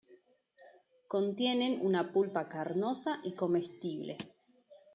Contienen una pulpa carnosa y comestible.